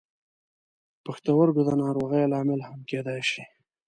د پښتورګو د ناروغیو لامل هم کیدای شي.